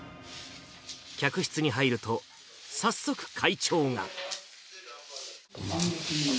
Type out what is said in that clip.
客室に入ると、早速会長が。